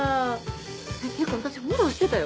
てか私フォローしてたよ。